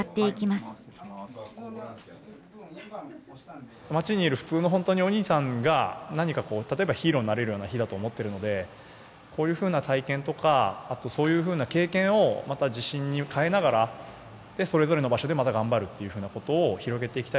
まちにいる普通の本当にお兄さんが何かこう例えばヒーローになれるような日だと思っているのでこういうふうな体験とかあとそういうふうな経験をまた自信に変えながらそれぞれの場所でまた頑張るというふうなことを広げていきたいと思っていますし。